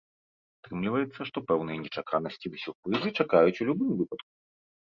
Атрымліваецца, што пэўныя нечаканасці ды сюрпрызы чакаюць у любым выпадку.